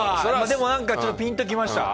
でもちょっとピンときました。